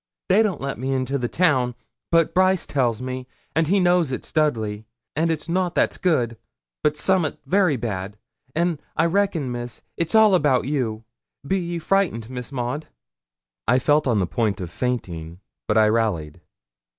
They don't let me into the town, but Brice tells me, and he knows it's Dudley; and it's nout that's good, but summat very bad. An' I reckon, Miss, it's all about you. Be ye frightened, Miss Maud?' I felt on the point of fainting, but I rallied.